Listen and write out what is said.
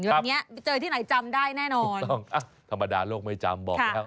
วันนี้เจอที่ไหนจำได้แน่นอนถูกต้องอ่ะธรรมดาโลกไม่จำบอกแล้ว